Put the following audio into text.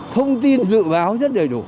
thông tin dự báo rất đầy đủ